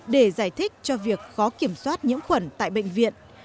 để giải thích cho việc khó kiểm soát nhiễm khuẩn tại bệnh viện